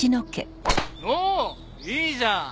おっいいじゃん。